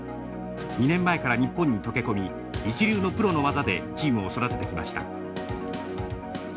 ２年前から日本に溶け込み一流のプロの技でチームを育ててきました。